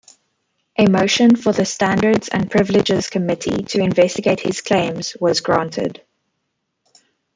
A motion for the Standards and Privileges Committee to investigate his claims was granted.